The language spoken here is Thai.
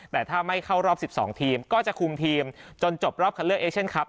แต่ถ้าไม่เข้ารอบ๑๒ทีมก็จะคุมทีมจนจบรอบคันเลือกเอเชียนครับ